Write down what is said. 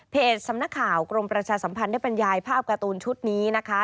สำนักข่าวกรมประชาสัมพันธ์ได้บรรยายภาพการ์ตูนชุดนี้นะคะ